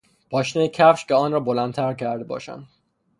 پاشنهی کفش که آن را بلندتر کرده باشند